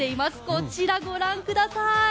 こちら、ご覧ください。